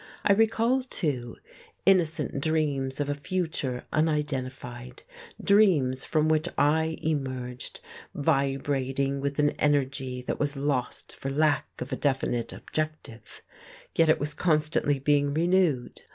I recall, too, innocent dreams of a future unidentified, dreams from which I emerged vibrating with an energy that was lost for lack of a definite objective: yet it was constantly being renewed.